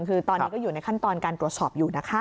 คือตอนนี้ก็อยู่ในขั้นตอนการตรวจสอบอยู่นะคะ